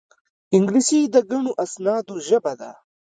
انګلیسي د ګڼو اسنادو ژبه ده